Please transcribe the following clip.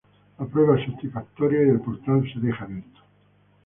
La prueba es satisfactoria, y el portal se deja abierto.